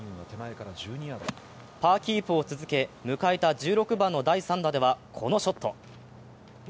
パーキープを続け、迎えた１６番の第３打ではこのショット。